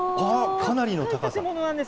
かなりの高さ。